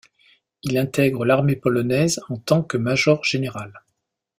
Il intègre l'armée polonaise en tant que major-général.